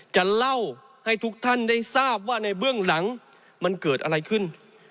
จะเล่าให้ทุกท่านได้ทราบว่าในเบื้องหลังมันเกิดอะไรขึ้น